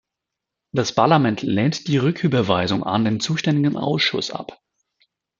Das Parlament lehnt die Rücküberweisung an den zuständigen Ausschuss ab.